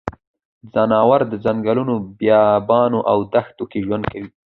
ځناور د ځنګلونو، بیابانونو او دښته کې ژوند کوي.